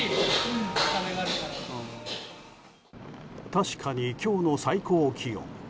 確かに、今日の最高気温。